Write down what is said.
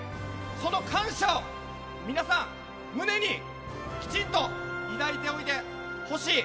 その感謝を皆さん、胸にきちんと抱いておいてほしい。